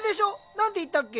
何ていったっけ？